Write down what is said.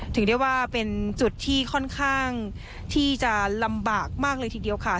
ถือได้ว่าเป็นจุดที่ค่อนข้างที่จะลำบากมากเลยทีเดียวค่ะ